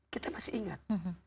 kita masih ingat